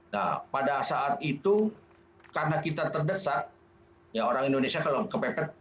nah pada saat itu karena kita terdesak ya orang indonesia kalau kepepet